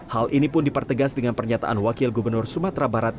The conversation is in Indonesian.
hal ini pun dipertegas dengan pernyataan wakil gubernur sumatera barat